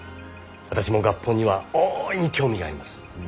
私も合本には大いに興味があります。